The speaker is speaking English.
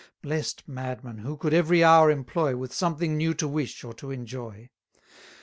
Blest madman, who could every hour employ, With something new to wish, or to enjoy!